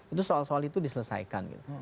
itu soal soal itu diselesaikan gitu